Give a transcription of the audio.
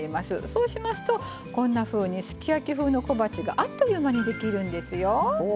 そうしますと、こんなふうにすき焼き風の小鉢があっという間にできるんですよ。